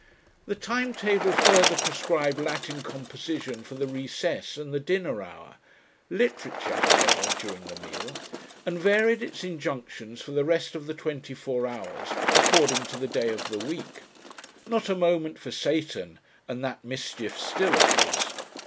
The time table further prescribed Latin Composition for the recess and the dinner hour ("literature," however, during the meal), and varied its injunctions for the rest of the twenty four hours according to the day of the week. Not a moment for Satan and that "mischief still" of his.